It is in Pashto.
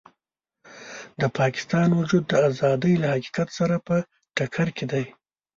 د پاکستان وجود د ازادۍ له حقیقت سره په ټکر کې دی.